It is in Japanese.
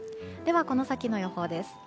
では、この先の予報です。